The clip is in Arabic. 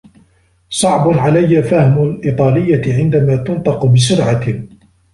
صعب عليّ فهم الإيطالية عندما تُنطق بسرعة.